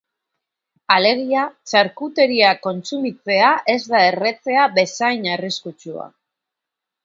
Alegia, txarkuteria kontsumitzea ez da erretzea bezain arriskutsua.